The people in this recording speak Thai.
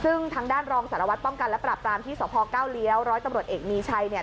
ซึ่งทางด้านรองสารวัตรป้องกันและปรับปรามที่สพเก้าเลี้ยวร้อยตำรวจเอกมีชัยเนี่ย